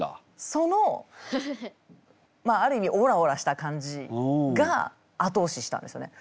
そのある意味オラオラした感じが後押ししたんですよね。